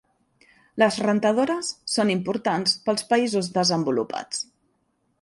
Les rentadores són importants pels països desenvolupats.